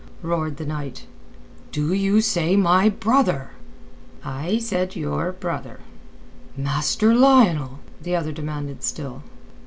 roared the knight. "Do you say my brother?" "I said your brother." "Master Lionel?" the other demanded still.